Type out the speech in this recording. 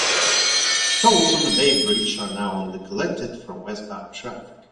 Tolls on the Bay Bridge are now only collected from westbound traffic.